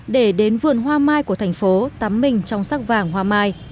để đến vườn hoa mai của thành phố tắm mình trong sắc vàng hoa mai